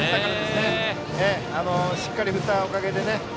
しっかり振ったおかげでね。